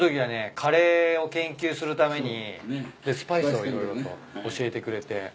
カレーを研究するためにスパイスを色々と教えてくれて。